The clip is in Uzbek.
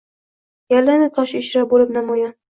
Yalindi tosh ichra bo’lib namoyon